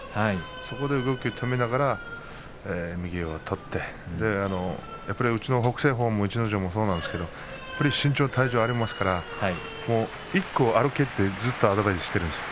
そこで動きを止めながら右を取ってやっぱりうちの北青鵬も逸ノ城もそうなんですが身長、体重ありますから一歩歩けとアドバイスをしているんです。